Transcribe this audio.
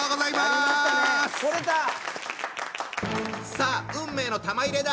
さあ運命の玉入れだ！